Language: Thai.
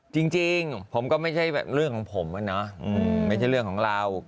จริงผมก็ไม่ใช่เรื่องของผมอะเนาะไม่ใช่เรื่องของเรา